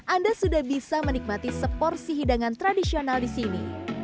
anda sudah bisa menikmati seporsi hidangan tradisional disini